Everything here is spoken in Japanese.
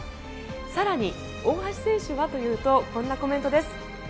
更に、大橋選手はというとこんなコメントです。